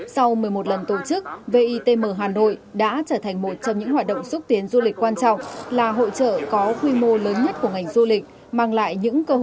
sau một mươi một lần tổ chức vitm hà nội đã trở thành một sự kiện du lịch có tẩm cỡ quốc gia